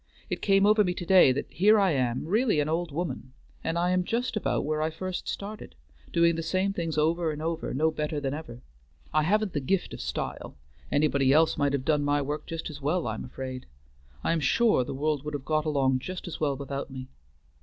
"It came over me to day that here I am, really an old woman, and I am just about where I first started, doing the same things over and over and no better than ever. I haven't the gift of style; anybody else might have done my work just as well, I am afraid; I am sure the world would have got along just as well without me.